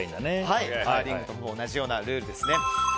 カーリングと同じようなルールです。